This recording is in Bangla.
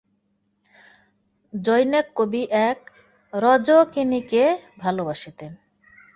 জনৈক কবি এক রজকিনীকে ভালবাসিতেন।